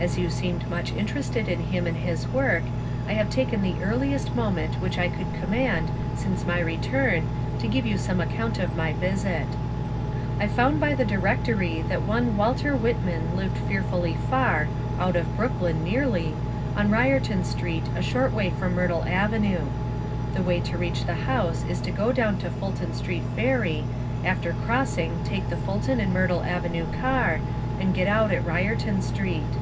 As you seemed much interested in him and his work, I have taken the earliest moment which I could conmiand since my return to give you some account of my visit. I found by the directory that one Walter Whitman lived fearfully far (out of Brooklyn, nearly), on Byerton Street a short way from Myrtle Avenue. The way to reach the house is to go down to Fulton Street Ferry, after crossing take the Fulton and Myrtle Avenue car, and get out at Byerton Street.